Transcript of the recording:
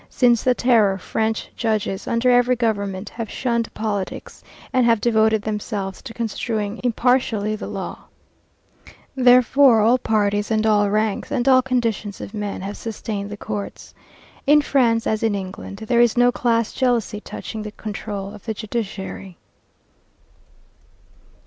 Since the Terror French judges, under every government, have shunned politics and have devoted themselves to construing impartially the Code. Therefore all parties, and all ranks, and all conditions of men have sustained the courts. In France, as in England, there is no class jealousy touching the control of the judiciary.